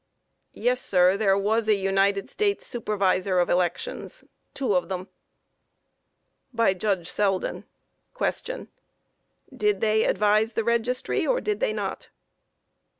Yes, sir; there was a United States Supervisor of Elections, two of them. By JUDGE SELDEN: Q. Did they advise the registry, or did they not?